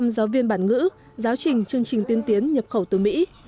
một trăm linh giáo viên bản ngữ giáo trình chương trình tiên tiến nhập khẩu từ mỹ